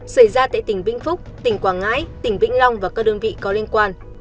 xảy ra tại tỉnh vĩnh phúc tỉnh quảng ngãi tỉnh vĩnh long và các đơn vị có liên quan